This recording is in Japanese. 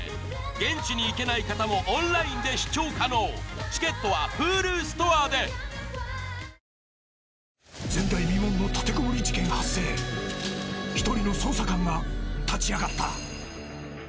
現地に行けない方もオンラインで視聴可能チケットはＨｕｌｕストアで果たしておっと。